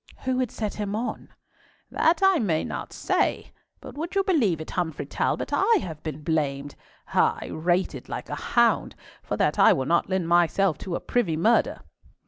"Who would set him on?" "That I may not say. But would you believe it, Humfrey Talbot, I have been blamed—ay, rated like a hound, for that I will not lend myself to a privy murder."